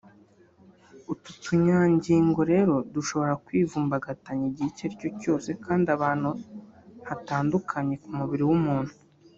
utu tunyangingo rero dushobora kwivumbagatanya igihe icyo ari cyo cyose kandi ahantu hatandukanye ku mubiri w’umuntu